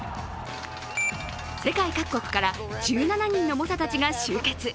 世界各国から１７人の猛者たちが集結。